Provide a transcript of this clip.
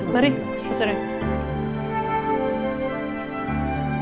mari pak surya